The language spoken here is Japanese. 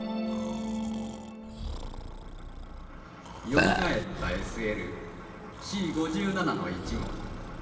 よみがえったＳＬＣ５７の１号。